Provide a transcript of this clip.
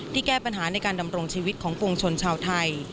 แก้ปัญหาในการดำรงชีวิตของปวงชนชาวไทย